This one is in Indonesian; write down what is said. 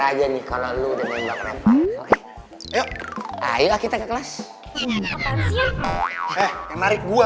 aja nih kalau lu udah minta kenapa oke yuk ayo kita ke kelas ini apaan sih eh menarik gua